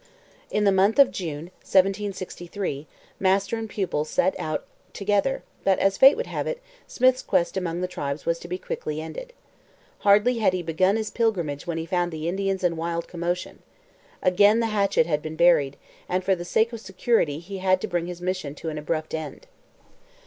In the month of June 1763, master and pupil set out together, but, as fate would have it, Smith's quest among the tribes was to be quickly ended. Hardly had he begun his pilgrimage when he found the Indians in wild commotion. Again the hatchet had been unburied, and for the sake of security he had to bring his mission to an abrupt end.